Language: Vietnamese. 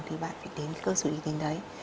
thì bạn phải đến cái cơ sở uy tín đấy